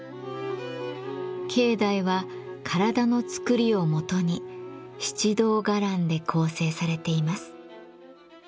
境内は体のつくりをもとに七堂伽藍で構成されています。